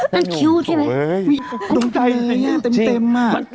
มันคิ้วใช่ไหมดูใจเต็มมาก